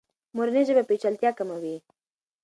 مورنۍ ژبه پیچلتیا کموي.